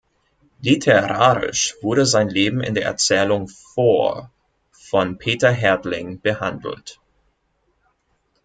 Literarisch wurde sein Leben in der Erzählung "Fohr" von Peter Härtling behandelt.